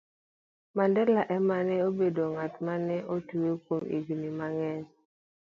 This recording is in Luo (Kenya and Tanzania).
Mandela ema ne obedo ng'at ma ne otwe kuom higini mang'eny